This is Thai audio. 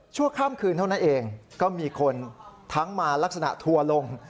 ข้ามคืนเท่านั้นเองก็มีคนทั้งมาลักษณะทัวร์ลง